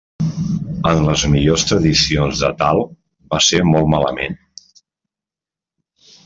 En les millors tradicions de tal, va ser molt malament.